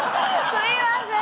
すいません。